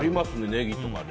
ネギとかね。